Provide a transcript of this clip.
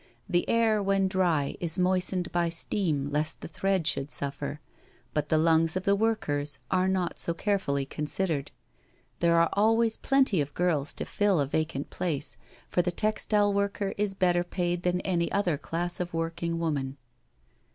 The air, when dry, is moistened by steam lest the thread should suffer, but the lungs of the. workers are not so carefully considered. There are always plenty of girls to fill a vacant place, for the textile worker is better paid than any other class of working woman.